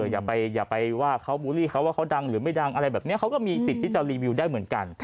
อย่าไปว่าเขาบูลลี่เขาว่าเขาดังหรือไม่ดังอะไรแบบนี้เขาก็มีสิทธิ์ที่จะรีวิวได้เหมือนกัน